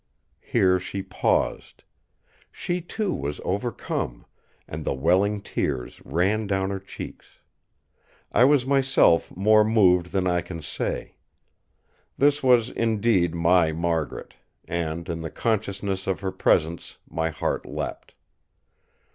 Here she paused. She too was overcome, and the welling tears ran down her cheeks. I was myself more moved than I can say. This was indeed my Margaret; and in the consciousness of her presence my heart leapt.